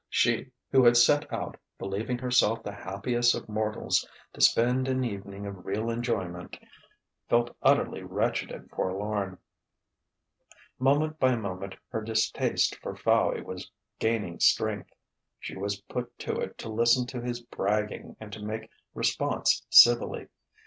She, who had set out, believing herself the happiest of mortals, to spend an evening of real enjoyment, felt utterly wretched and forlorn. Moment by moment her distaste for Fowey was gaining strength. She was put to it to listen to his bragging and to make response civilly.